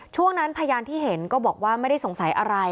ช่วงนั้นพยานที่เห็นก็บอกว่าไม่ได้สงสัยอะไร